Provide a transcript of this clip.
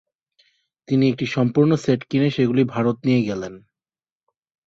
তিনি একটি সম্পূর্ণ সেট কিনে সেগুলি ভারতে নিয়ে গেলেন।